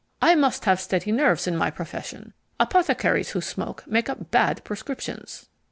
"I must have steady nerves in my profession. Apothecaries who smoke make up bad prescriptions."